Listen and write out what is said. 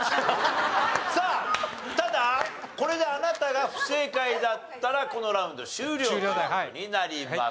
さあただこれであなたが不正解だったらこのラウンド終了という事になります。